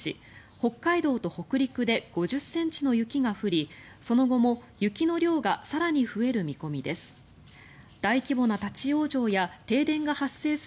北海道と北陸で５０ｃｍの雪が降りその後も雪の量が更に増える見込みです。